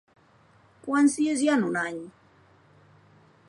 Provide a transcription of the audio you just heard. Quants dies hi ha en un any?